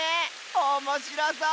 おもしろそう！